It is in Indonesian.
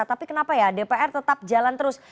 tapi kenapa ya dpr tetap jalan terus